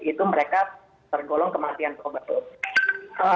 itu mereka tergolong kematian probable